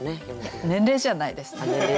年齢じゃないです。